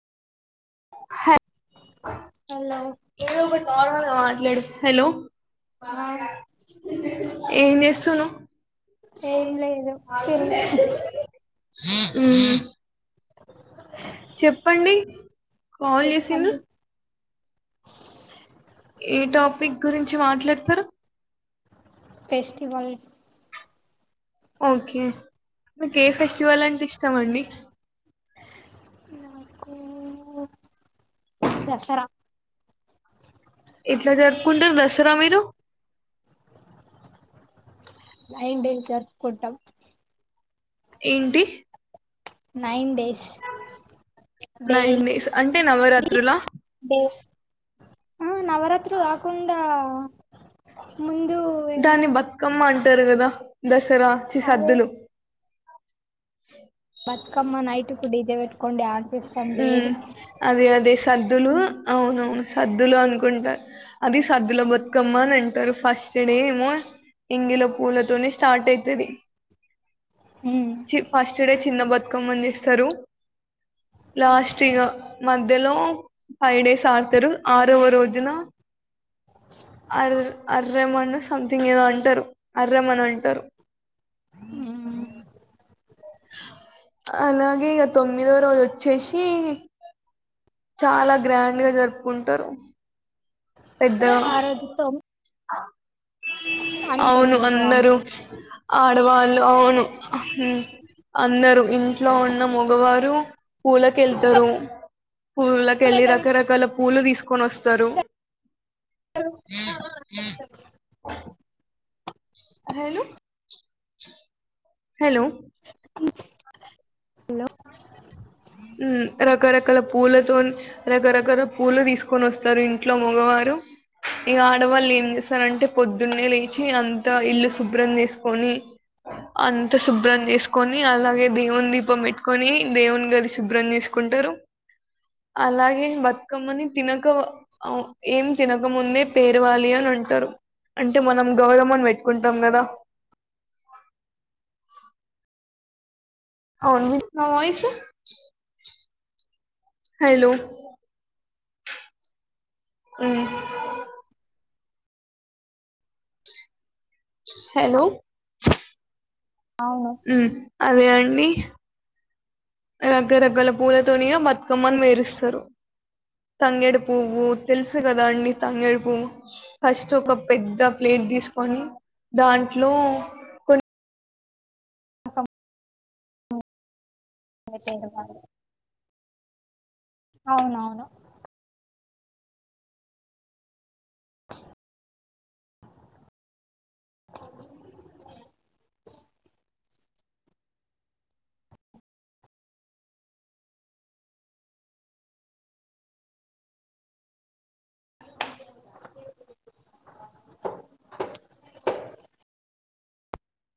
hello hello బ సను తిరు హ్మ్ కాల్ చేసిన్రు చెప్పండి ఏ టాపిక్ గురించి మాట్లాడతరు ఫెస్టివల్ ఓకే మీకు ఏ ఫెస్టివల్ అంటే ఇష్టం అండి నాకు దసరా ఎట్లా జరుపుకుంటారు దసరా మీరు నైన్ డేస్ జరుపుకుంటాం ఏంటి nine days nine daily days అంటే నవరాత్రులా [unintelligible] ఆ నవరాత్రు కాకుండా ముందు దాన్ని బతుకమ్మ అంటారు కదా దసరా చి అదే సద్దులు బతుకమ్మ నైట్ కు డి జె పెట్టుకుని డాన్స్ ఉ అదే అదే సద్దులు అవునా సద్దులు అనుకుంటా అది సద్దుల బతుకమ్మ అని అంటారు ఫస్ట్డే ఏమో ఎంగిల పూలతోనే స్టార్ట్ అవుతది ఉమ్ ఫస్ట్ డే చిన్న బతుకమ్మని చేస్తారు లాస్ట్ ఇగా మధ్యలో ఫైవ్ డేస్ ఆడతారు ఆరోవ రోజు రోజున ఆరోజు అర్రం అని సంథింగ్ ఏదో అంటారు అర్రమ అని అంటారు అలాగే ఇగ తొమ్మిదో రోజు వచ్చేసి చాలా గ్రాండ్ గా జరుపుకుంటారు ఆరోజు [unintelligible] ఆ అవును రోజు అందరూ బాగుంటాయి ఆడవాళ్ళు అవును అందరు ఇంట్లో ఉన్న మగవారు పూలకెళ్తరు పూల కెళ్ళి రకరకాల పూలు తీసుకొని వస్తారు [unintelligible] హలో హలో హలో హ్మ్ రకరకాల పూలతోన్ రకరకాల పూలు తీసుకొని వస్తారు ఇంట్లో మగవారు ఇక ఆడవాళ్ళు ఏం చేస్తారంటే పొద్దున్నే లేచి అంతా ఇల్లు శుభ్రం చేసుకొని అంత శుభ్రం చేసుకొని అలాగే దేవుని దీపం పెట్టుకొని దేవుని గది శుభ్రం చేసుకుంటరు అలాగే బతుకమ్మని తినక ఏం తినకముందే పేరవాలి అని అంటారు అంటే మనం గౌరమ్మని పెట్టుకుంటాం కదా అ అవున నా వాయిస్ హలో హ్మ్ హలో అవును ఉమ్ అదే అండి రకరకాల పూలతోని ఇగ బతుకమ్మని పేరుస్తారు తంగేడు పువ్వు తెలుసు కదా అండి తంగేడు పువ్వు ఫస్ట్ ఒక పెద్ద ప్లేట్ తీసుకొని దాంట్లో కొ అవునవును